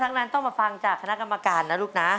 ทั้งนั้นต้องมาฟังจากคณะกรรมการนะลูกนะ